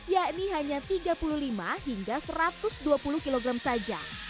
yakni hanya tiga puluh lima hingga satu ratus dua puluh kg saja